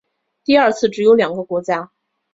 第二次只有两个国家。